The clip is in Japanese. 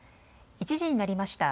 １時になりました。